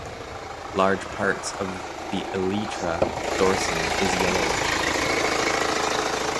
Large part of the elytra dorsum is yellowish.